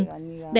đẻ hai đứa